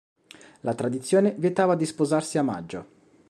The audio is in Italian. La tradizione vietava di sposarsi a maggio.